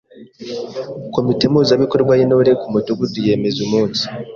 Komite Mpuzabikorwa y’Intore ku Mudugudu yemeza umunsi